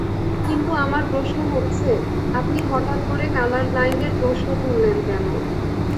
কিন্তু আমার প্রশ্ন হচ্ছে, আপনি হঠাৎ করে কালার-ব্লাইন্ডের প্রশ্ন তুললেন কেন?